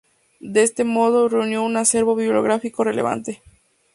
De este modo, reunió un acervo bibliográfico relevante.